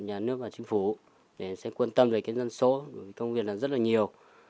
nhà nước và chính phủ sẽ quan tâm về cái dân số công việc là rất là nhiều